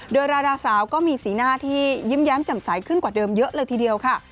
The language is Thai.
โดยราดาสาวก็มีสีหน้าที่ยิ้มแย้มแจ่มใสขึ้นกว่าเดิมเยอะเลยทีเดียวค่ะ